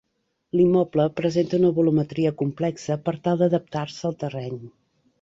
L'immoble presenta una volumetria complexa per tal d'adaptar-se al terreny.